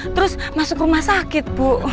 terus masuk rumah sakit bu